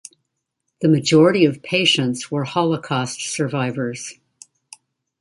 The majority of patients were Holocaust survivors.